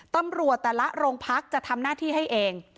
ตำรวจแต่ละโรงพักจะทำหน้าที่ให้เอง